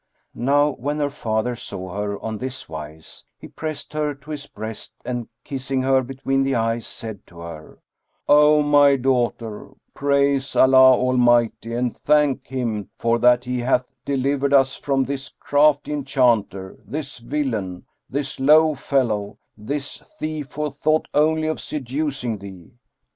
Now when her father saw her on this wise, he pressed her to his breast and kissing her between the eyes, said to her, "O my daughter, praise Allah Almighty and thank Him for that He hath delivered us from this crafty enchanter, this villain, this low fellow, this thief who thought only of seducing thee!"